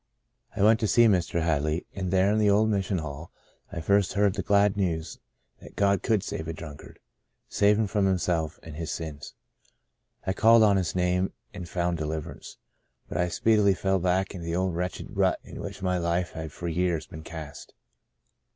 I went to see Mr. Hadley, and there in the old Mission Hall I first heard the glad news that God could save a drunkard — save him from himself and 64 The Breaking of the Bread his sins. I called on His name, and found deliverance. But I speedily fell back into the old wretched rut in which my life had for years been cast.